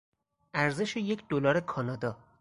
ارزش یک دلار کانادا